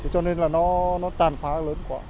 cho nên là nó tàn phá lớn quá